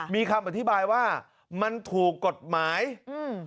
มีคำอธิบายว่ามันถูกกฎหมายอืม